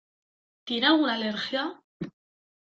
¿Tiene alguna alergia?